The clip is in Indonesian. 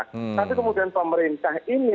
tapi kemudian pemerintah ini